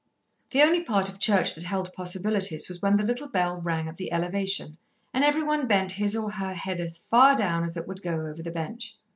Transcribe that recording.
The only part of Church that held possibilities was when the little bell rang at the Elevation, and every one bent his or her head as far down as it would go over the bench.